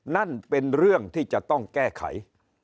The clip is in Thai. นั่นเป็นเรื่องที่จะต้องแก้ไข